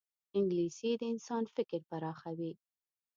انګلیسي د انسان فکر پراخوي